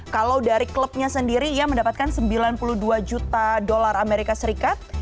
kalau dari klubnya sendiri ia mendapatkan sembilan puluh dua juta dolar amerika serikat